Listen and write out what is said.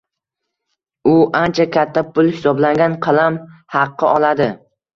U ancha katta pul hisoblangan qalam haqi oladi.